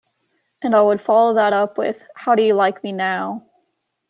And I would follow that up with: How do you like me now?